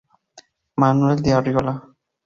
Manuel de Arriola.